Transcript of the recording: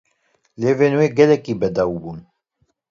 Lêvên wê gelekî bedew bûn.